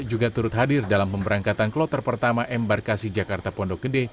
juga turut hadir dalam pemberangkatan kloter pertama embarkasi jakarta pondok gede